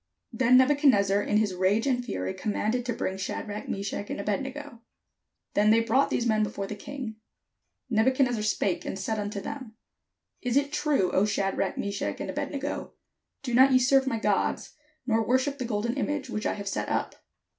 Then Nebuchadnezzar in his rage and fury com manded to bring Shadrach, Meshach, and Abed nego. Then they brought these men before the king. Nebu chadnezzar spake and said unto them: "Is it true, O Shadrach, Meshach, and Abed nego, do not ye serve my gods, nor worship the golden image which I have set up?